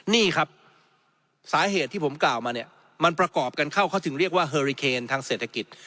นี่ครับสาเหตุที่ผมกล่าวมาเนี่ยมันประกอบกันเข้าเขาถึงเรียกว่าเฮอริเคนทางเศรษฐกิจ